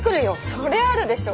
そりゃあるでしょ。